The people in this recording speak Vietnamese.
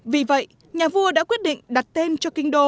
vì vậy nhà vua đã quyết định đặt tên cho kinh đô